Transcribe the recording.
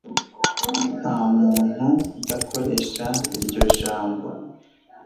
ntamuntu ukoresha iryo jambo